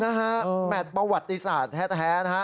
นะฮะแมทประวัติศาสตร์แท้นะฮะ